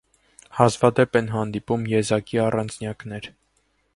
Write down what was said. Հազվադեպ են հանդիպում եզակի առանձնյակներ։